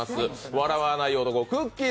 笑わない男・くっきー！